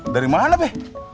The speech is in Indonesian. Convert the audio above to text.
dari mana be